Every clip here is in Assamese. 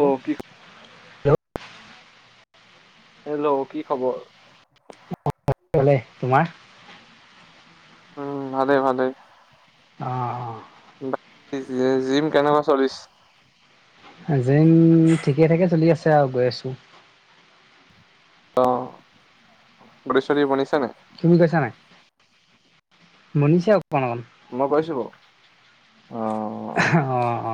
অ কি হেল্ল'! কি খবৰ? হ'লে, তোমাৰ? উম, ভালে ভালে। অ', অ'। বাকী জিম কেনেকুৱা চলিছে? জিম ঠিকে-থাকে চলি আছে আৰু, গৈ আছোঁ। অ', গুৰেশ্বৰী বনিছে নে? তুমি গৈছা নে নাই? মনীষেও মই গৈছো বাৰু। অ অ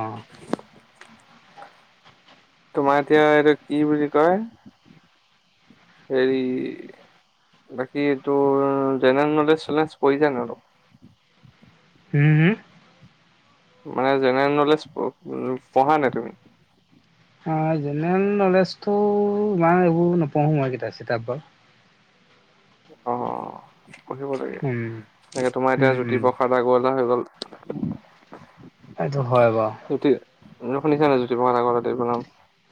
তোমাৰ এতিয়া এইটো কি বুলি কয়, হেৰি। বাকী এইটো জেনেৰেল নলেজ চলেজ পঢ়িছা নাই অলপ হুমম, হুমম। মানে, জেনেৰেল নলেজ পঢ়া নাই, তুমি? অ', জেনেৰেল নলেজতটো, ইমান এইবোৰ নপঢ়োঁ মই। কিতাপ-চিতাপ, বৰ অ', পঢ়িব লাগে। উম এনেকে, তোমাৰ এতিয়া, উম উম জ্যোতিপ্ৰসাদ আগৰৱালা হৈ গ'ল। এইটো হয়, বাৰু। [inaudible] শুনিছা নে, জ্যোতিপ্ৰসাদ আগৰৱালা দেৱৰ নাম?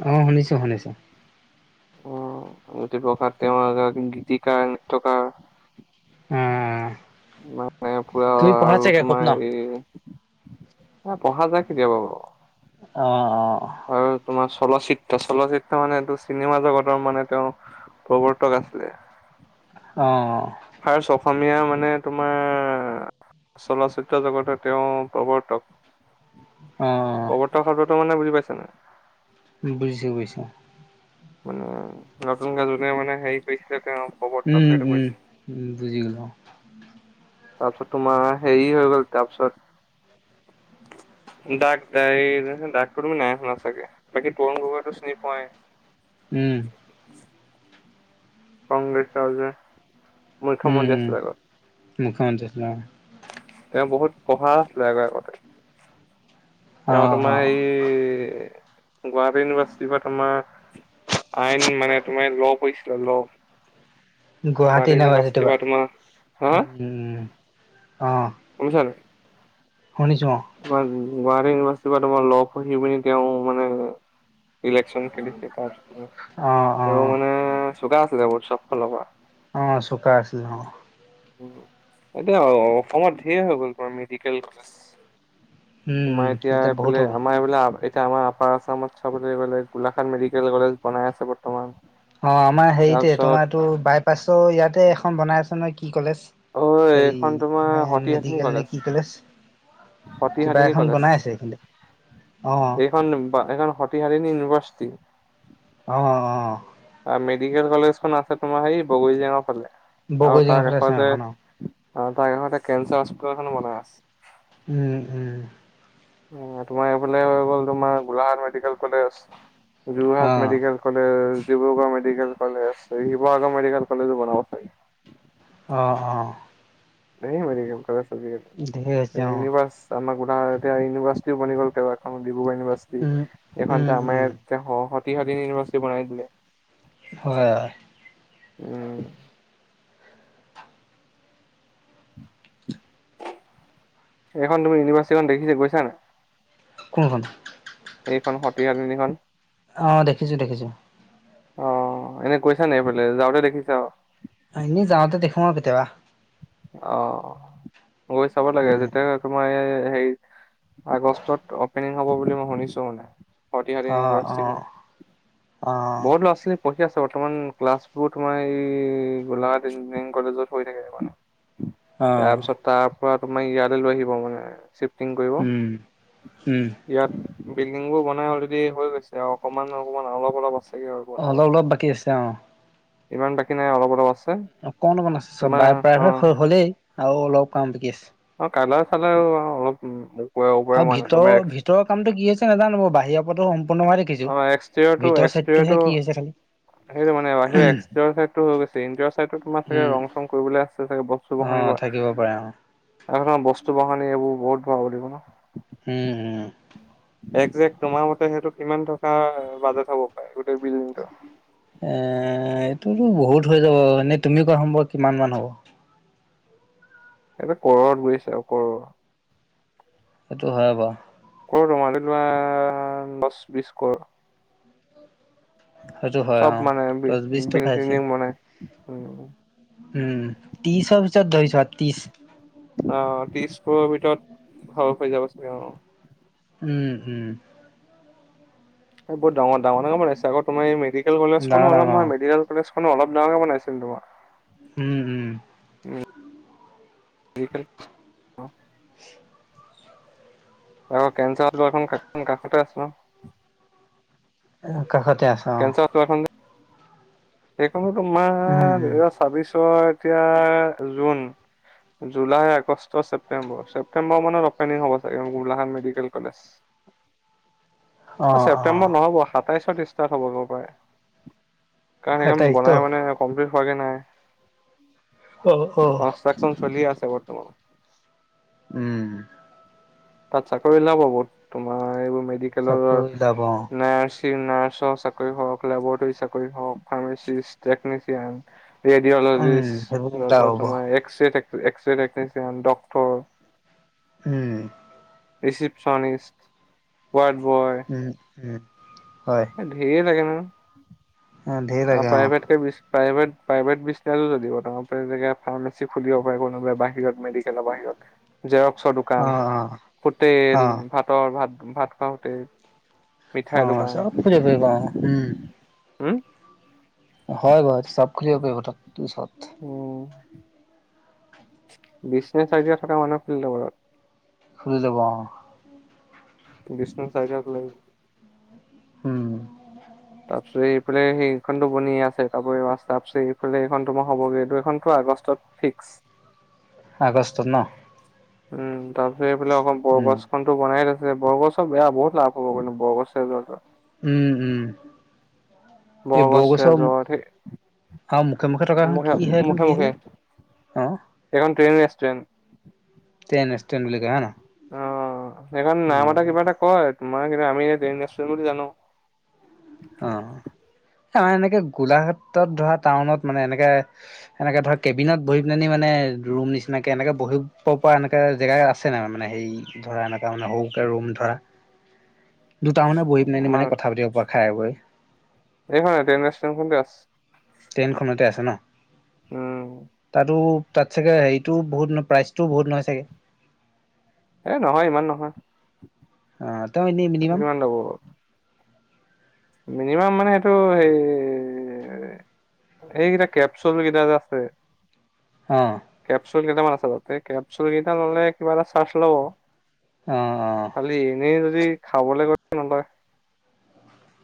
অহ, শুনিছোঁ শুনিছোঁ। অ', জ্যোতিপ্ৰসাদ তেওঁ এগৰাকী গীতিকাৰ, নাট্যকাৰ। উম, পুৰা তুমি পঢ়া আৰু চাগে খুব ন? অ', পঢ়া যায় কেতিয়াবা। অ'। আৰু তোমাৰ চলচ্চিত্ৰ, চলচ্চিত্ৰ মানে এইটো চিনেমা জগতৰ। মানে তেওঁ প্ৰৱৰ্তক আছিলে। অ। ফাৰ্চ অসমীয়া, মানে তোমাৰ চলচ্চিত্ৰ জগতত, তেওঁ প্ৰৱৰ্তক। অ প্ৰবৰ্তক শব্দটো, মানে বুজি পাইছা নাই? বুজিছো, বুজিছো। মানে, নতুন কৰে যোনে মানে হেৰি কৰিছিলে, তেওঁ। প্ৰৱৰ্তক উম, সেইটো উম, কৰিছে। উম, বুজি গ'লো অ তাৰপিছত, তোমাৰ, হেৰি হৈ গ'ল তাৰপিছত ডাক দাই, ডাকটো তুমি নাই শুনা, চাগে। বাকী, তৰুণ গগৈ চিনি তো পোৱাই? উম কংগ্ৰেছৰ, যে মুখ্যমন্ত্ৰী আছিলে, আগত। মন্ত্ৰী আছিলে অ তেওঁ বহুত পঢ়া আছিলে আগই আগতে। অ তেওঁ, অ তোমাৰ, অ'। সেই গুৱাহাটী ইউনিভাৰ্চিটিৰ পৰা, তোমাৰ আইন, মানে তোমাৰ, ল পঢ়িছিলোঁ, ল। গুৱাহাটী ইউনিভাৰ্চিটিৰ পৰা, তোমাৰ হা উম উম অঁ গম পাইছা নাই শুনিছো তোমাৰ, গুৱাহাটী ইউনিভাৰ্চিটিৰ পৰা, তোমাৰ ল পঢ়ি-পিনি, তেওঁ, মানে ইলেকচন খেলিছে তাৰপিছত, অঁ অঁ অঁ তেওঁ মানে চোকা আছিলে বহুত সব ফালৰ পৰা। অ চোকা আছিল অ এতিয়া, অসমত, ঢেৰ হৈ গ'ল, তোমাৰ মেডিকেল কলেজ। উম তোমাৰ, এতিয়া, বহুত এইফালে, হৈ গ'ল আমাৰ [unintelligible] আমাৰ আপাৰ আচামত, চবলে গ'লে, গোলাঘাট মেডিকেল কলেজ বনাই আছে, বৰ্তমান। অ আমাৰ হেৰিতে তাৰপিছত তোমাৰটো বাইপাছো ইয়াতে এখন বনাই আছ নহয় কি কলেজ অ এইখন তোমাৰ হেৰি মেডিকেল নে কি কলেজ কিবা সতিহাদিনী এখন কলেজ বনাই আছে এইখিনিতে অঁ এইখন বা এইখন সতিহাদিনী [unintelligible] অঁ অঁ অ মেডিকেল কলেজ খন আছে তোমাৰ সেই বগৰী জেঙৰ ফালে। আৰু বগৈ তাৰ জেঙা ফালে আছে কাষতে এখন অ অ তা একেদখতে কেঞ্চাৰ হস্পিতলখনো বনাই আছ উম উম। তোমাৰ এইফালে হৈ গ'ল তোমাৰ গোলাঘাট মেডিকেল কলেজ। যোৰহাট অঁ medical college Dibrugarh medical college, Sivasagar medical কলেজো বনাব চাগে। অ অ। ধেই মেডিকেল কলেজ হৈছে আজিকালি অঁ ইউনিভাৰ্ছ আমাক উ বা এতিয়া ইউনিভাৰ্চিটিও বনি গ'ল কেইবাখন ডিব্ৰুগড় ইউনিভাৰ্চিটি, উম এইখন উম উম আমাৰ এতিয়া হ সত তিহাদিন ইউনিভাৰ্চিটি বনাই দিলে। হয়। উম, এইখন তুমি ইউনিভাৰ্চিটিখন দেখিছে গৈছা নাই? কোনখন? এইখন সতিয়া তিনিখন আ দেখিছো দেখিছো। অ এনে কৈছা নে এইফালে যাওঁতে দেখিছা অ। এনেই যাওঁতে দেখো অ কেতিয়াবা। অ গৈ চাব লাগে উম যেতিয়া তোমাৰ এ সেই আগষ্টত অপেনিং হ'ব বুলি মই শুনিছো মানে। সতিহাধিনী অ অ ইউনিভাৰ্চিটিখন, অ বহুত ল'ৰা-ছোৱালী পঢ় ঠিক আছে বৰ্তমান ক্লাছবোৰ তোমাৰ এই গোলাঘাট ইঞ্জিনিয়াৰিং কলেজত হৈ থাকে। অ তাৰপিছত তাৰ পৰা তোমাৰ ইয়ালৈ লৈ আহিব মানে [inaudible] পিং উম উম বোৰ বনাই অলৰে হৈ গৈছে অকনমান - অকণমান অলপ- অলপ আছে। অ' অলপ - অলপ বাকী আছে অ'। ইমান বাকী নাই অলপ- অলপ আছে। অকণ- অকমান আছে চব তোমাৰ অ প্ৰায়ভাগ হলেই আৰু অলপ কাম বিকি আছে। অ কালাৰ- চালাৰ অলপ উ অ' ভিতৰৰ - ভিতৰৰ কামটো কি আছে নাজানো বাহিৰৰ পৰা সম্প দেখিছো! এক্সটেৰিয়ৰটো ভিতৰ এক্সটেৰিয়ৰটো চাইটটোহে কি হৈছে খালি। সেইটো মানে বাহিৰ হৈ গৈছে ইডৰ চাইতো তোমাৰে ৰং চং কৰিব আছোগে বস্তু বখ [inaudible] নাথাকিব পাৰে আৰু। এখন বস্তু বখানী এইব বহুত ভাল লিব নো [inaudible] উম উম। একজেক্ট তোমাৰ মতে সেইটো কিমান টকা বাজেট হ'ব পাৰে গোটেই বিল্ডিংটো? এ' এইটোতো বহুত হৈ যাব এনেই তুমি কোৱা চোন কিমান মান হ'ব। এয়া কৰৰত গৈছে আৰু কৰৰ। এইটো হয় বা। কৰ ৰমালি লোৱা দহ বিশ কৰ [inaudible] সেইটো হয় চব অ মানে দহ বিশটো বি খাইছে চং মান উ [inaudible] উম, ত্ৰিছৰ পিছৰত ধৰি ছোৱা ত্ৰিশ। আহ ত্ৰিছকৰ ভিতৰত ঘৰ হৈ যাব চাগে অ' উম উম। বহুতাঙৰ ডাঙৰ বনাইছে আকৌ তোমাৰ মেডিকেল ডাঙৰ কলেজখনো অলপ নহয় ডাঙৰ মেডিকেল কলেজ অলপ ডাঙৰ কে বনাইছেনি তোমাৰ। উম -উম [inaudible] [inaudible] আকৌ কেঞ্চাৰ খন কাষতে আছ ন' কাষতে আছা অ' এইখনো উম তোমাৰ উম দুহেজাৰ ছাব্বিশৰ এতিয়া June. July August September September মানত অপেনিং হ'ব চাগে গোলাঘাট মেডিকেল কলেজ। অ অ ছেপ্তেম্বৰত নহ'ব সাতাইশত ষ্টাৰ্ট হ'বহৈ পাৰে। কাৰণ সেইখন সেটাইতো বনাই বনাই মানে কমপ্লিট হোৱা গে নাই। অ অ কনষ্ট্ৰাকচন চলি আছে বৰ্তমান। উম। তাত চাকৰি ওলাব বহুত তোমাৰ এইবোৰ মেডিকেলৰ চকু ওলাব নাৰ্ছ। নাৰ্ছৰ চাকৰি হওক লেবৰেটৰী চাকৰি হওক ফাৰ্মাচিষ্ট টেকনিচিয়ান। উম সেইবোৰ ৰেডিঅ'লজিষ্ট তাৰপিছত ওলাব তোমাৰ এক্সৰে থাক। X ray technician doctor. উম। Receptionist ward boy. উম উম হয় এ ঢেৰ লাগে নহয়। অ' ধেৰ লাগে অ' প্ৰাইভেট প্ৰাইভেট বিজনেছও চলিব ফাৰ্মাচী খুলিব পাৰে কোনোবাই বাহিৰত। মেডিকেলৰ বাহিৰত জেৰক্সৰ অ দোকান অ হোটেল অ ভাতৰ ভাত। ভাত খাওঁতে অ চব ফালে ঘূৰিব পাওঁ উম হা হয় বাৰু চাব খুলিব পাৰিব তাত পিছত অ বিজনেছ আইডিয়া থকা মানুহ খিলড ঘৰত খুলি লাব ট্ৰেডিশনেল চাইকেল প ল হম তাৰপিছত এইফালে সেইখনতো বনিয়ে আছে তাৰোৰি তাৰ পিছত এইফালে এইখন তো মই হ'বগৈ এইটো এইখনতো আগষ্টত ফিক্স আগষ্টত ন উম তাৰ পিছত এইফালে অক উম বৰবছখননতো বনাই আছে বৰগছৰ বেয়া বহুত লাভ হব কিন্তু বৰগছছে যটো উম উম এই বৰগছ বগচ ৰেজৰ্ট আৰু মুখে মুখে থকা এখন কিহেখন কি হ'লে অঁ এখন তেনষ্টোৰেন্ত টেন ষ্টেন বুলি কাে না সখন নাম এটা কিবা এটা কয় তোমাৰ কিন্ত আমি এতিয়া তেনৃষ্টোৰেন্ত বুলি জানো অ আমাৰ এনেকে গোলাঘাটত ধৰা টাউনত মানে এনেকে এনেকে ধৰা কেবিনত বহি পেলনিি মানে ৰুম নিচিনাকে এনেকে বহিব পৰা এনেককা জেগ আছে নাই মানে হেৰি ধৰা এনেকা মানে সৰুকে ৰুম ধৰা [inaudible] দুটা মানে বহি পিনে এনে মানে মান কথা পাতিব পৰা। খাই বৈ এইখনে ট্ৰেন ষ্টেন খন আছ ট্ৰেইনখনতে আছে ন? উম তাতো তাত চাগে হেৰিটোও বহুত নহয় প্ৰাইজটোও বহুত নহয় চাগে। এ নহয় ইমান নহয়। অ, তেওঁ এনেই মিনিমাম [unintelligible] মিনিমাম মানে সেইটো হে এইকেইটা কেপচুল কেইটা যে আছে অ' কেপচুল কেইটামান আছে তাতে কেপচুল কেইটা ল'লে কিবা এটা চাৰ্জ ল'ব। অ অ খালি এনেই যদি খাবলৈ কৈছে নলয়।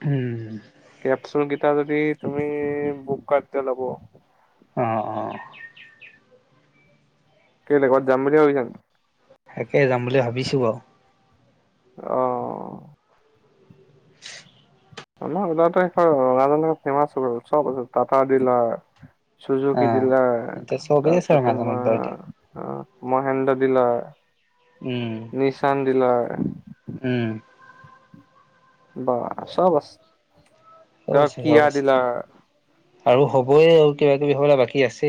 উম। কেপচুল কেইটা যদি তুমি বুক কৰা তে ল'ব অ', অ', কেলে কবাত যাম বুলি ভাবিছানি? তাকে যাম বুলি ভাবিছোঁ বাৰু অ', অ', আমাৰ [unintelligible] ফেমাচ চব আছে টাটা ডিলাৰ অ চুজুকি দিলাৰ এতিয়া চবেই আছে তাৰপিছত ৰঙাজানত তোমাৰ বাৰু এতিয়া অ মহেন্দ্ৰ দিলাৰ উম। [unintelligible] উম। বা চব আছে। ক চব আছে চব কিয় আছে দিলা [unintelligible] আৰু হবই আৰু কিবা কিবি হ'বলৈ বাকী আছে।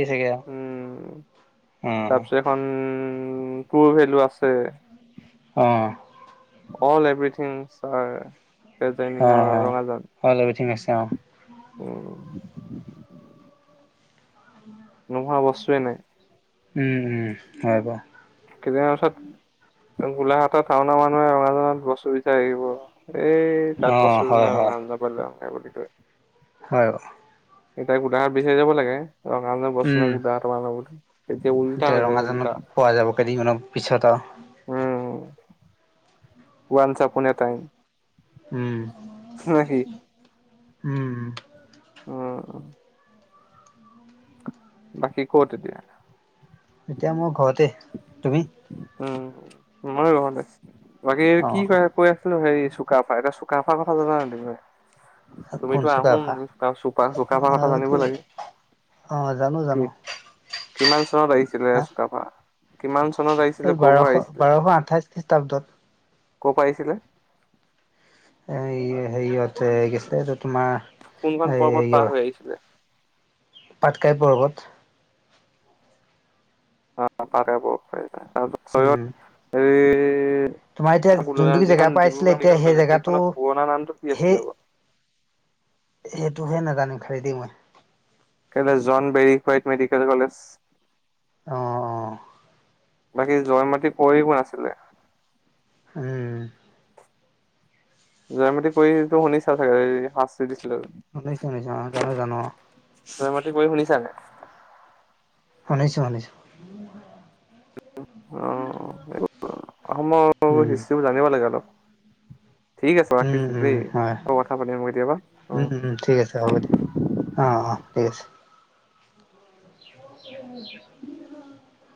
উম, তাৰপিছত এখন উম, পুৰ ভেলু আছে। অহ। All everything sir. অ, অ, অল এভিথিং আছে অ, ' উম। নোহোৱা বস্তুৱে নাই। উম, উম, হয়, বাৰু কেইদিনমানৰ পিছত গোলাঘাটৰ টাউনৰ মানুহে ৰঙাজানত বস্তু বিচাই আহিব। এই অ তাত বস্তু হয় নাই। হয় ৰঙাজানৰ পৰা লৈ আহোঁ গে বুলি কয় হয়। এতিয়া গোলাঘাট বিচাৰি যাব লাগে। ৰঙাজানত বস্তু উম নাই গোলাঘাটৰ পৰা আনো বুলি তেতিয়া উল্টা এতিয়া হৈ যাব উল্টা ৰঙাজানত পোৱা যাব কেইদিনমানৰ পিছত আৰু [unintelligible] কোনে পায়। উম নে কি উম উম অহ বাকী ক'ত এতিয়া? এতিয়া মই ঘৰতে তুমি? উম মই ৰুমতে বাকী অ কি কয় ক আছিলো হে চুকাফা এটা চুকাফাৰ কথা জানা নাই তুমি তুমিতো আহোম কোনচুকাফা চ চুকাফ কথা জানিব লাগে। আহ জানো কি জানো। কিমান চনত আহিছিলে হা চুকাফাৰ কিমান চনত আহিছিলে এই ক'ৰ পৰা বাৰশ আহিছিলে বাৰশ আঠাইশ খ্ৰীষ্টাব্দত। কৰ পৰা আহিছিলে। এ হেৰিয়তে গৈছিলে এইটো তোমাৰ কোনখন পৰ্বত পাৰ হৈ আহিছিলে? হেৰিয়ত পাটকাই পৰ্বত। [unintelligible] তাৰত চ উম এই তোমাৰ এতিয়া যোনটো জেগাৰ যিখন পৰা আহিছিলে ডিব্ৰুগড় এতিয়া মেডিকেল সেই কলেজ জেগাটো সেইখনৰ পুৰণা নামটো কি আছিলে বাৰু, [inaudible] হেটোহে নাজো খালি দেই মই, কে জন বেৰ হোৱাইট মেডিকেল কলেজ। অঁ অঁ, বাকী জয় মতি কুৰি কোন আছিলে। উম, জয় মাতি কুৰিটো শুনিছা চাগে এই শাস্তি দি শুনিছোঁ শুনিছোঁ অ জানো জানো। জয়মতী কুঁৱৰীৰ শুনিছা নে। শুনিছো শুনিছো। অ এইবোৰ উম অসমৰ হিষ্টবোৰ জানিব লাগিব অলপ, ঠিক আছে উম ৰাখিছো উম দেই। হয় আকৌ কথা পাতিম কেতিয়াবা। অ'। উম উম ঠিক আছে হ'ব দিয়া। অ অ ঠিক আছে। উ [inaudible]